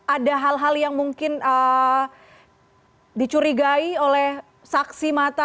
ada hal hal yang mungkin dicurigai oleh saksi mata